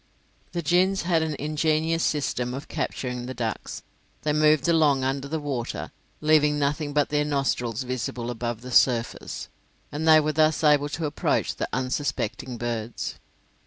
The gins had an ingenious system of capturing the ducks. They moved along under water, leaving nothing but their nostrils visible above the surface, and they were thus able to approach the unsuspecting birds.